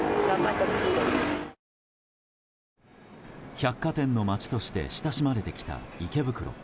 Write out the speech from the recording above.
百貨店の街として親しまれてきた池袋。